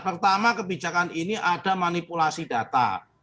pertama kebijakan ini ada manipulasi data